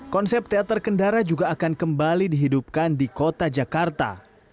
konsep teater kendara juga akan kembali dihidupkan di kota jakarta